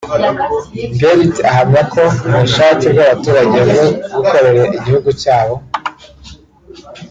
Gerrit ahamya ko ubushake bw’abaturage bwo gukorera igihugu cyabo